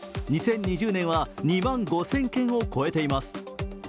２０２０年は２万５０００件を超えています